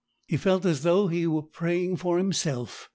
He felt as though he was praying for himself.